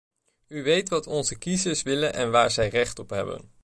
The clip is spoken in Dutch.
U weet wat onze kiezers willen en waar zij recht op hebben.